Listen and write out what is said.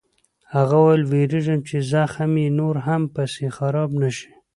هغه وویل: وېرېږم چې زخم یې نور هم پسې خراب نه شي.